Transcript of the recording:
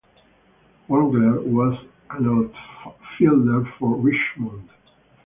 Wagler was an outfielder for Richmond.